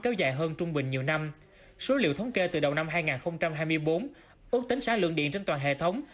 kéo dài hơn trung bình nhiều năm số liệu thống kê từ đầu năm hai nghìn hai mươi bốn ước tính sáng lượng điện trên toàn hệ thống